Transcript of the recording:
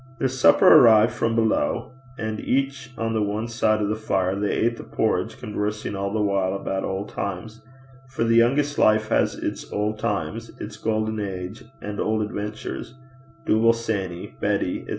Their supper arrived from below, and, each on one side of the fire, they ate the porridge, conversing all the while about old times for the youngest life has its old times, its golden age and old adventures, Dooble Sanny, Betty, &c.